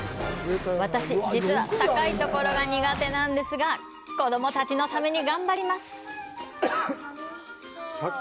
私、実は高いところが苦手なんですが、子供たちのために頑張ります！